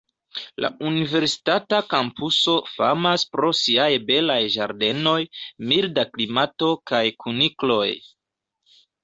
La universitata kampuso famas pro siaj belaj ĝardenoj, milda klimato kaj kunikloj.